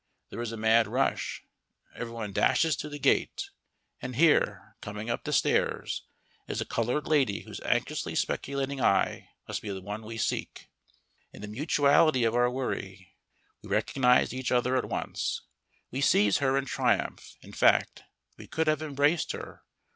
There is a mad rush: everyone dashes to the gate. And here, coming up the stairs, is a coloured lady whose anxiously speculating eye must be the one we seek. In the mutuality of our worry we recognize each other at once. We seize her in triumph; in fact, we could have embraced her.